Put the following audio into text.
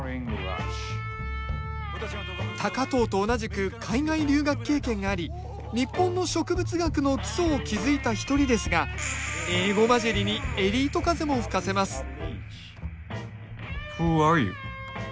高藤と同じく海外留学経験があり日本の植物学の基礎を築いた一人ですが英語交じりにエリート風も吹かせますＷｈｏａｒｅｙｏｕ？